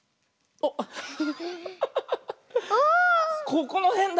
ここのへんだ。